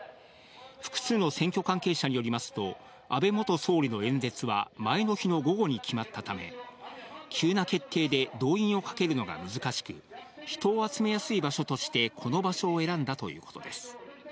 複数の選挙関係者によりますと、安倍元総理の演説は前の日の午後に決まったため、急な決定で動員をかけるのが難しく、人を集めやすい場所として、この場所を選んだということです。